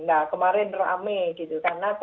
nah kemarin rame gitu